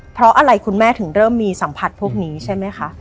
เพราะอะไรคุณแม่ถึงเริ่มมีสัมผัสพวกนี้ใช่ไหมคะ